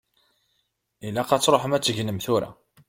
Ilaq ad tṛuḥem ad tegnem tura.